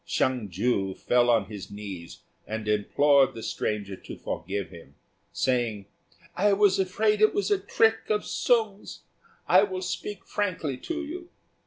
Hsiang ju fell on his knees and implored the stranger to forgive him, saying, "I was afraid it was a trick of Sung's: I will speak frankly to you.